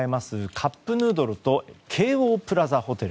カップヌードルと京王プラザホテル